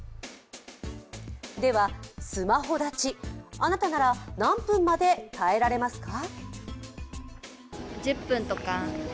ではスマホ断ち、あなたなら何分まで耐えられますか？